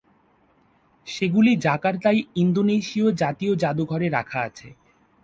সেগুলি জাকার্তায় ইন্দোনেশিয় জাতীয় যাদুঘরে রাখা আছে।